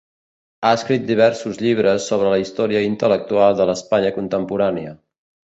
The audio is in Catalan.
Ha escrit diversos llibres sobre la història intel·lectual de l’Espanya contemporània.